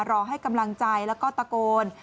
รอให้กำลังใจแล้วก็ตะโกน